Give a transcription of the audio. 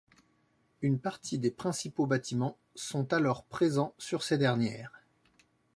Une partie des principaux bâtiments sont alors présents sur ces dernières.